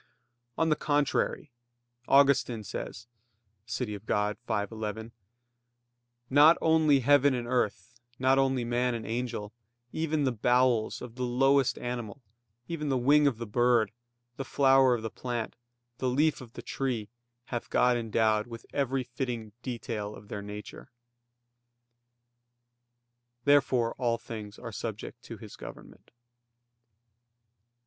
On the contrary, Augustine says (De Civ. Dei v, 11): "Not only heaven and earth, not only man and angel, even the bowels of the lowest animal, even the wing of the bird, the flower of the plant, the leaf of the tree, hath God endowed with every fitting detail of their nature." Therefore all things are subject to His government.